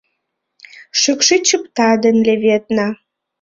Шӱкшӱ чыпта ден леведна.